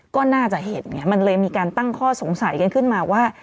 ก็น่าจะเห็นไงมันเลยมีการตั้งข้อสงสัยกันขึ้นมาว่า